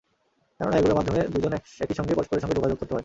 কেননা এগুলোর মাধ্যমে দুজন একই সঙ্গে পরস্পরের সঙ্গে যোগাযোগ করতে পারে।